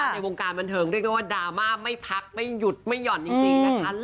ในวงการบันเทิงเรียกได้ว่าดราม่าไม่พักไม่หยุดไม่หย่อนจริงนะคะ